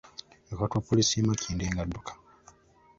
Yakwatibwa poliisi y’e Makindye nga adduka.